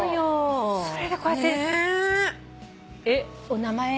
お名前